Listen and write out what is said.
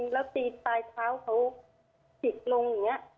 แต่ซะสายเท้าเขาติดลง